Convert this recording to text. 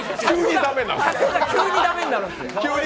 急に駄目になるんですよ。